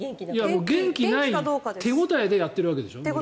元気がないって手応えでやってるわけでしょ。